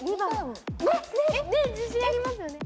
自信ありますよね。